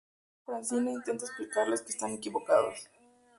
Al principio Francine intenta explicarles que están equivocadas.